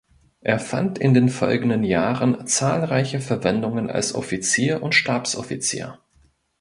Er fand in den folgenden Jahren zahlreiche Verwendungen als Offizier und Stabsoffizier.